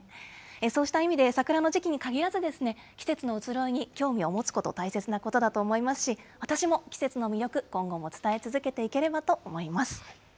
そうした意味で、桜の時期に限らず、季節の移ろいに興味を持つこと、大切なことだと思いますし、私も季節の魅力、今後も伝え続けていければと思います。